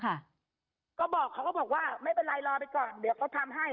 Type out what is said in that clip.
ค่ะก็บอกเขาก็บอกว่าไม่เป็นไรรอไปก่อนเดี๋ยวเขาทำให้